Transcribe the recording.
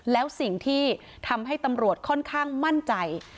แล้วสิ่งที่ทำให้ตำรวจค่อนข้างมั่นใจ